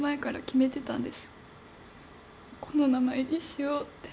この名前にしようって。